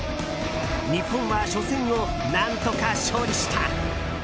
日本は初戦を何とか勝利した。